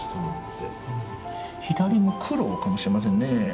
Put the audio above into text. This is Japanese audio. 左の「九郎」かもしれませんね。